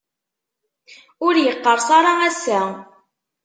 Ur yeqqerṣ ara ass-a.